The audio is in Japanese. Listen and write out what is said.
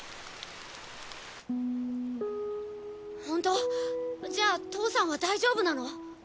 ホント？じゃあ父さんは大丈夫なの？